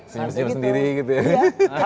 senyum senyum sendiri gitu ya